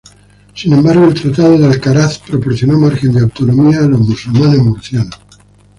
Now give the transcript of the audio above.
Sin embargo, el tratado de Alcaraz proporcionó margen de autonomía a los musulmanes murcianos.